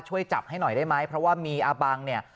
ช่วยจับให้หน่อยได้ไหมเพราะว่ามีอาบังเนี่ย